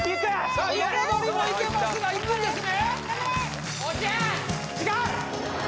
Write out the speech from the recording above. さあ横取りもいけますがいくんですね？